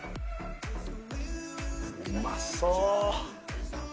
うまそう。